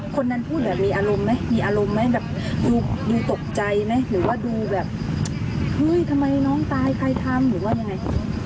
คนนั้นพูดแบบมีอารมณ์ไหมมีอารมณ์ไหมแบบดูตกใจไหมหรือว่าดูแบบเฮ้ยทำไมน้องตายใครทำหรือว่ายังไง